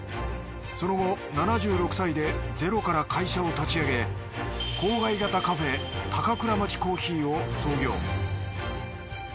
その後７６歳でゼロから会社を立ち上げ郊外型カフェ高倉町珈琲を創業。